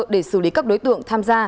để xử lý các đối tượng tham gia